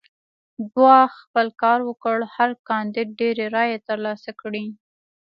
ګواښ خپل کار وکړ هر کاندید ډېرې رایې ترلاسه کړې.